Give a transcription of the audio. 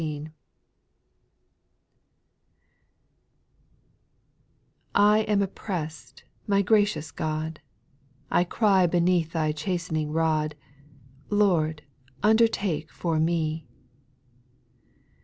T AM oppressed ; my gracious God I JL I cry beneath Thy chastening rod ; Lord, undertake for me I 2.